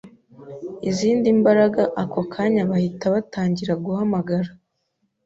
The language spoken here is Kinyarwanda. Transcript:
izindi mbaraga, ako kanya bahita batangira guhamagara